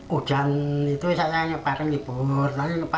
hujan itu saya pakai libur